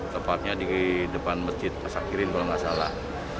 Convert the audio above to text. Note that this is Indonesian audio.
tepatnya di depan masjid masakirin kalau nggak salah